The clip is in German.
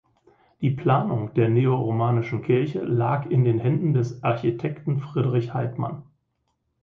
Die Planung der neoromanischen Kirche lag in den Händen des Architekten Friedrich Heitmann.